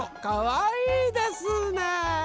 かわいいですね。